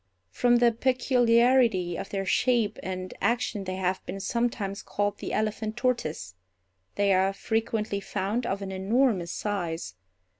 From the peculiarity of their shape and action they have been sometimes called the elephant tortoise. They are frequently found of an enormous size.